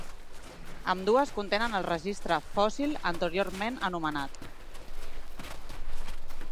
Ambdues contenen el registre fòssil anteriorment anomenat.